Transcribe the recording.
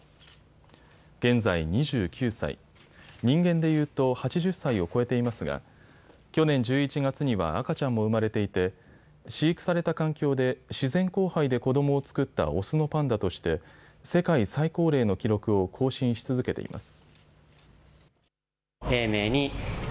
現在２９歳、人間でいうと８０歳を超えていますが、去年１１月には赤ちゃんも生まれていて飼育された環境で自然交配で子どもを作ったオスのパンダとして世界最高齢の記録を更新し続けています。